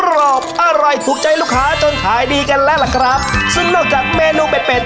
วันให้ลูกค้าจนขายดีกันและละครับซึ้งนอกจากเม็นูเป็ด